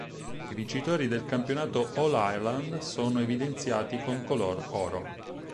I vincitori del campionato All-Ireland sono evidenziati con color oro.